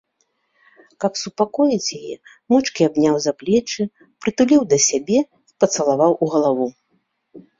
Каб супакоіць яе, моўчкі абняў за плечы, прытуліў да сябе і пацалаваў у галаву.